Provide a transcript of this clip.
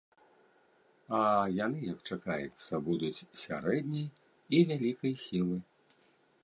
А яны, як чакаецца, будуць сярэдняй і вялікай сілы.